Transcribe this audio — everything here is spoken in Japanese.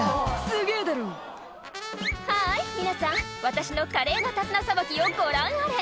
すげぇだろ」「ハイ皆さん私の華麗な手綱さばきをご覧あれ」